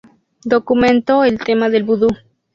Documento el tema del Vudú.